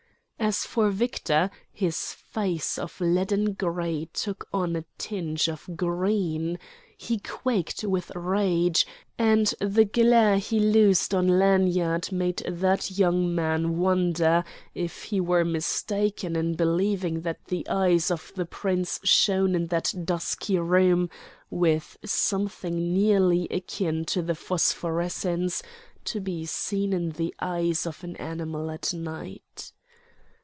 As for Victor, his face of leaden gray took on a tinge of green; he quaked with rage, and the glare he loosed on Lanyard made that young man wonder if he were mistaken in believing that the eyes of the prince shone in that dusky room with something nearly akin to the phosphorescence to be seen in the eyes of an animal at night.